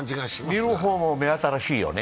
見る方も目新しいよね。